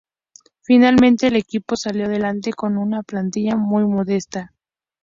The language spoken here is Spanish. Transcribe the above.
Finalmente el equipo salió adelante con una plantilla muy modesta.